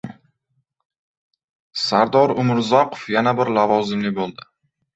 Sardor Umurzoqov yana bir lavozimli bo‘ldi